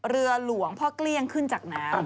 เรือหลวงพ่อเกลี้ยงขึ้นจากน้ำ